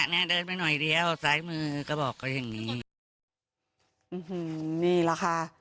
เนี้ยเดินไปหน่อยเดียวซ้ายมือก็บอกเขาอย่างนี้นี่แหละค่ะ